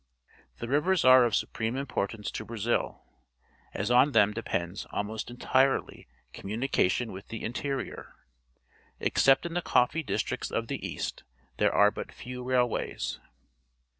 The miers are of su preme irnportaace to Brazil, as on them depends almost entirely coniniunication with the interior. Except in the coffee districts of the east, there are but few railways.